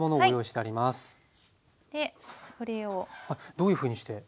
どういうふうにして？